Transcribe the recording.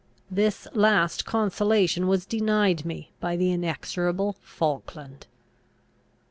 This last consolation was denied me by the inexorable Falkland.